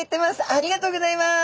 ありがとうございます！